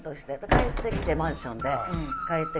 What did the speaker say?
帰ってきてマンションで。